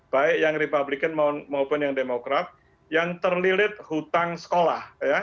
baik yang republican maupun yang demokrat yang terlilit hutang sekolah